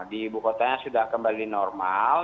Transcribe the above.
di ibu kotanya sudah kembali normal